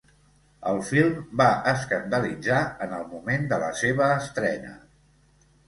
El film va escandalitzar en el moment de la seva estrena.